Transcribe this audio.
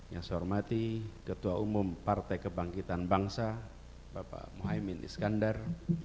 yang saya hormati ketua umum partai kebangkitan bangsa bapak muhaymin iskandar